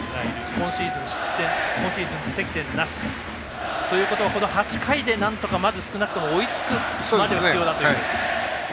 今シーズン失点、自責点なし。ということは８回でまず少なくとも追いつくまでが必要だという。